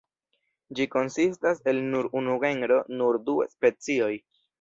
Ĝi konsistas el nur unu genro kun du specioj.